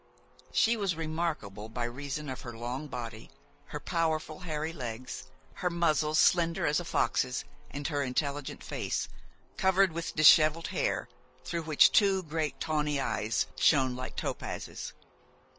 She was remarkable by reason of her long body, her powerful hairy legs, her muzzle, slender as a fox's, and her intelligent face, covered with disheveled hair, through which two great tawny eyes shone like topazes.